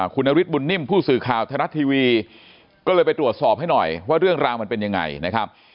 คุณนฤทธบุญนิ่มผู้สื่อข่าวทรัฐทีวีก็เลยไปตรวจสอบให้หน่อยว่าเรื่องราวมันเป็นยังไงนะครับ